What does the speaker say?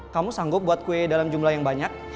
kamu sanggup buat kue dalam jumlah yang banyak